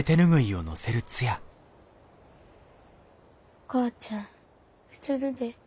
お母ちゃんうつるで。